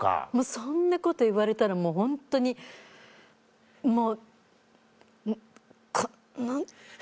そんなこと言われたらもうホントにもうこの。